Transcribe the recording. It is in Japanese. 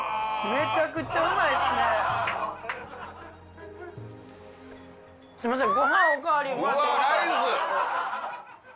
めちゃくちゃうまいっすねすいません